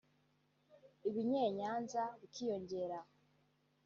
ibinyenyanza bikiyongera